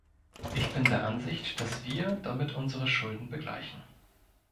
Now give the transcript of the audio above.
Ich bin der Ansicht, dass wir damit unsere Schulden begleichen.